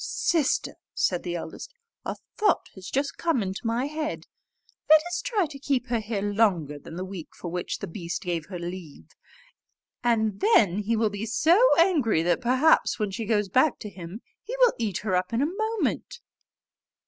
"Sister!" said the eldest, "a thought has just come into my head: let us try to keep her here longer than the week for which the beast gave her leave; and then he will be so angry, that perhaps when she goes back to him he will eat her up in a moment."